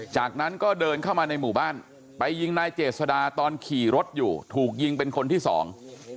จากนั้นก็เดินเข้ามาในหมู่บ้านไปยิงนายเจษดาตอนขี่รถอยู่ถูกยิงเป็นคนที่สอง